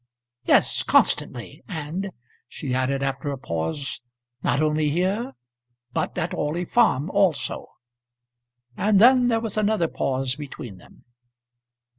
"Yes, constantly; and," she added after a pause, "not only here, but at Orley Farm also." And then there was another pause between them.